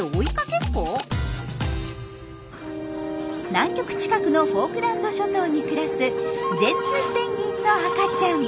南極近くのフォークランド諸島に暮らすジェンツーペンギンの赤ちゃん。